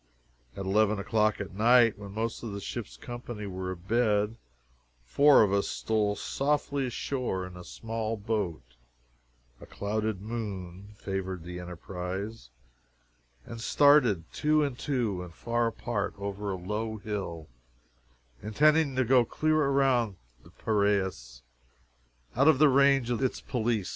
At eleven o'clock at night, when most of the ship's company were abed, four of us stole softly ashore in a small boat, a clouded moon favoring the enterprise, and started two and two, and far apart, over a low hill, intending to go clear around the Piraeus, out of the range of its police.